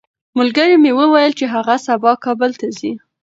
ملګري مې وویل چې هغه سبا کابل ته ځي.